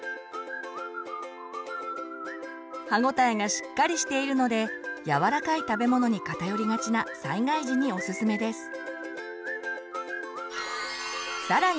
歯応えがしっかりしているので柔らかい食べ物に偏りがちな災害時におすすめです。